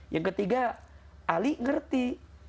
yang ketiga ali ngerti